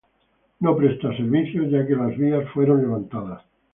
No presta servicios, ya que las vías fueron levantadas.